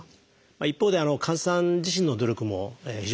一方で患者さん自身の努力も非常に大切です。